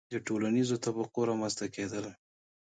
• د ټولنیزو طبقو رامنځته کېدل.